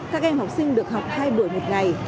các em học sinh được học hai buổi một ngày